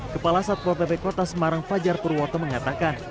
kepala satpol pp kota semarang fajar purwoto mengatakan